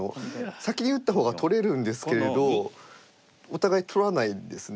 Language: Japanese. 先に打った方が取れるんですけれどお互い取らないんですね。